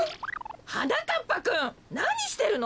はなかっぱくんなにしてるの！？